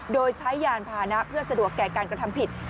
โดยใช้ยานพานะเพื่อสะดวกแก่การกระทำผิด